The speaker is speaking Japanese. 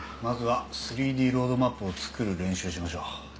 まずは３Ｄロードマップを作る練習をしましょう。